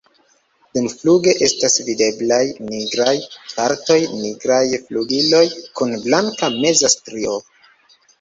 Dumfluge estas videblaj nigraj partoj, nigraj flugiloj kun blanka meza strio.